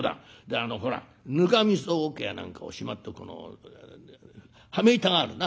あのほらぬかみそおけや何かをしまっておく羽目板があるな。